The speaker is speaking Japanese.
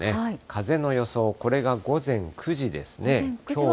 風の予想、これが午前９時ですね。